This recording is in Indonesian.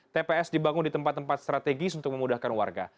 tps dibangun di tempat tempat strategis untuk memudahkan warga